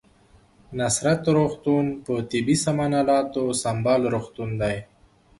نصرت روغتون په طبي سامان الاتو سمبال روغتون دی